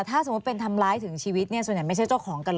ก็คือชีวิตส่วนใหญ่ไม่ใช่เจ้าของกันหรอ